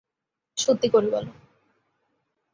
সত্যি করে বলো।